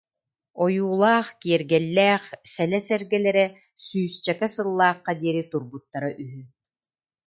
Ойуулаах, киэргэллээх сэлэ сэргэлэрэ сүүсчэкэ сыллаахха диэри турбуттара үһү